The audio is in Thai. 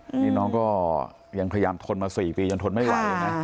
นี่น้องก็ยังพยายามทนมา๔ปียังทนไม่ไหวนะ